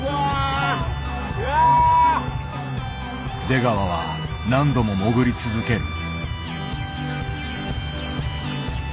出川は何度も潜り続ける。